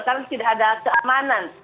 karena tidak ada keamanan